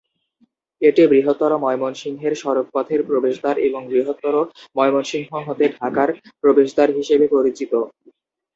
এটি বৃহত্তর ময়মনসিংহের সড়ক পথের প্রবেশদ্বার এবং বৃহত্তর ময়মনসিংহ হতে ঢাকার প্রবেশদ্বার হিসেবে পরিচিত।